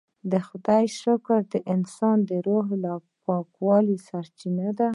د خدای شکر د انسان د روح پاکوالي سرچینه ده.